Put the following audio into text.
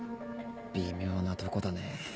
微妙なとこだね。